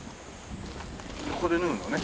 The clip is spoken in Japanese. ここで脱ぐのね。